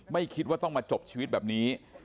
ไม่คิดว่าต้องมาจบชีวิตแบบนี้